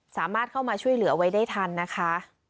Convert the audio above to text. สามารถเข้ามาช่วยเหลือไว้ได้ทันนะคะ